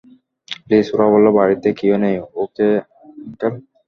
Please ওরা বলল বাড়িতে কেউ নেই ও কে আঙ্কেল?